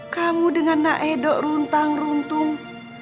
kamu dengan nak edo runtang runtung